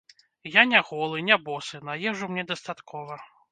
Я не голы, не босы, на ежу мне дастаткова.